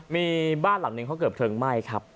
มีบ้านหลังหนึ่งเขาเกิดเพลิงไหม้ครับ